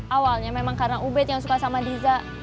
awalnya memang karena ubed yang suka sama diza